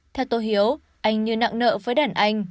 theo tôi hiếu anh như nặng nợ với đàn anh